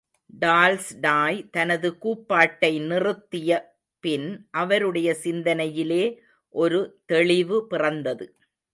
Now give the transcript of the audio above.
Tolstoy தனது கூப்பாட்டை நிறுத்திய, பின் அவருடைய சிந்தனையிலே ஒரு தெளிவு பிறந்தது.